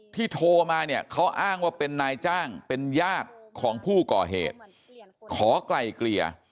โทรมาเนี่ยเขาอ้างว่าเป็นนายจ้างเป็นญาติของผู้ก่อเหตุขอไกลเกลี่ย